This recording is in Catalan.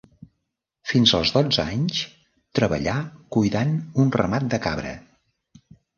Fins als dotze anys treballà cuidant un ramat de cabra.